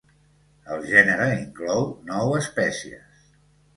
El gènere inclou nou espècies.